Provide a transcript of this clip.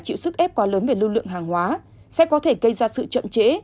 sự sức ép quá lớn về lưu lượng hàng hóa sẽ có thể gây ra sự trậm chế